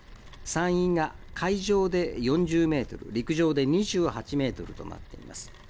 山陰が海上で４０メートル、陸上で２８メートルとなっています。